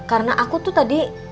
karena aku tuh tadi